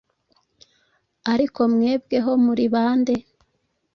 ariko mwebweho muri ba nde?